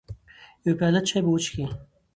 يوه پياله چاى به وچکې .